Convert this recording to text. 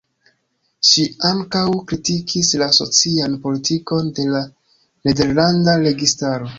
Ŝi ankaŭ kritikis la socian politikon de la nederlanda registaro.